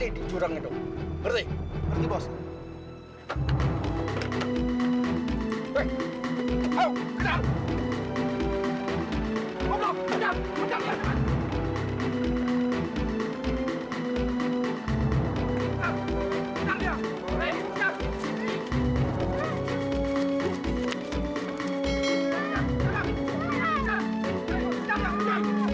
hey orang tua jangan ikut campur